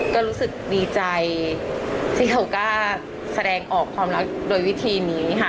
ก็รู้สึกดีใจที่เขากล้าแสดงออกความรักโดยวิธีนี้ค่ะ